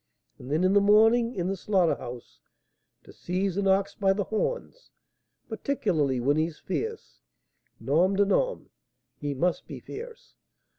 And then, in the morning, in the slaughter house, to seize an ox by the horns, particularly when he's fierce, nom de nom! he must be fierce!